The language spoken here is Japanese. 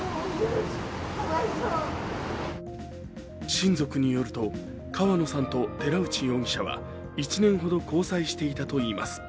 親族によると、川野さんと寺内容疑者は１年ほど交際していたといいます。